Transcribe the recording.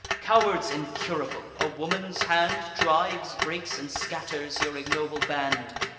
Cowards incurable, a woman's hand Drives, breaks, and scatters your ignoble band!